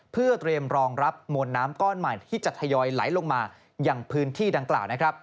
เพื่อเตรียมรองรับมวลน้ำก้อนใหม่ที่จะทยอยไหลลงมาอย่างพื้นที่ดังกล่าวนะครับ